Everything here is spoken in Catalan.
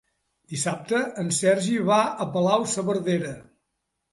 Dissabte en Sergi va a Palau-saverdera.